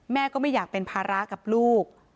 ก็ไม่อยากเป็นภาระกับลูก